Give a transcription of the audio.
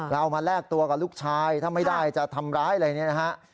เอามาแลกตัวกับลูกชายถ้าไม่ได้จะทำร้ายอะไรเนี่ยนะฮะ